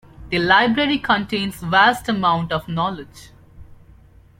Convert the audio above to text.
The library contains vast amounts of knowledge.